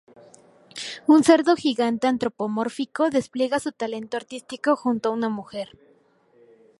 Un cerdo gigante antropomórfico despliega su talento artístico junto a una mujer.